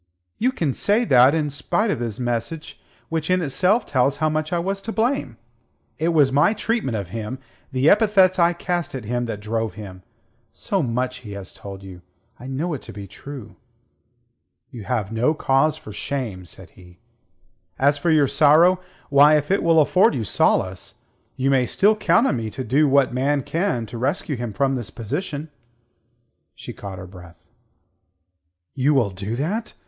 "You can say that, and in spite of his message, which in itself tells how much I was to blame! It was my treatment of him, the epithets I cast at him that drove him. So much he has told you. I know it to be true." "You have no cause for shame," said he. "As for your sorrow why, if it will afford you solace you may still count on me to do what man can to rescue him from this position." She caught her breath. "You will do that!"